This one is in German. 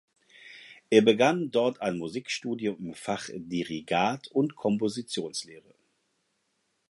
Er begann dort ein Musikstudium im Fach Dirigat und Kompositionslehre.